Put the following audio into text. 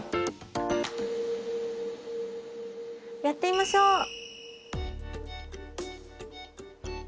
やってみましょう。